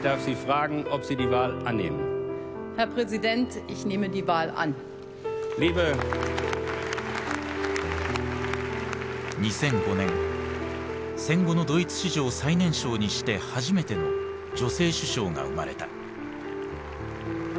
そして２００５年戦後のドイツ史上最年少にして初めての女性首相が生まれた。